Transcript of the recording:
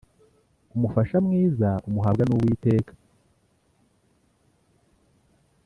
Umufasha mwiza umuhabwa n’uwiteka